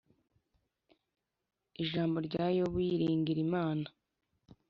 Ijambo rya Yobu yiringira Imana